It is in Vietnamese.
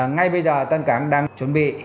ngay bây giờ tân cảng đang chuẩn bị